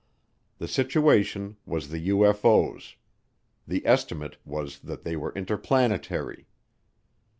The situation was the UFO's; the estimate was that they were interplanetary!